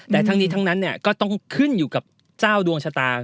แต่ทั้งนี้ทั้งนั้นก็ต้องขึ้นอยู่กับเจ้าดวงชะตา